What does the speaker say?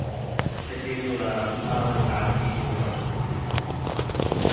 他接受了拉文達笈多教授的治療。